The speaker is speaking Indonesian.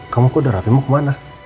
kamu kok udah rapi mau kemana